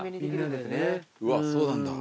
うわそうなんだ。